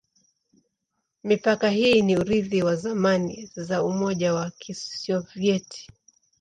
Mipaka hii ni urithi wa zamani za Umoja wa Kisovyeti.